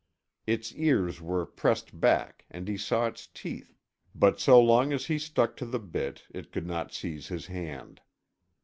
Its ears were pressed back and he saw its teeth, but so long as he stuck to the bit, it could not seize his hand.